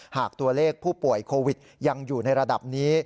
หากตัวเลขผู้ป่วยโควิดยังอยู่ในระดับนี้